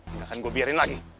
nggak akan gue biarin lagi